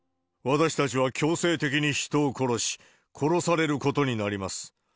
私たちは強制的に人を殺し、殺されることになります。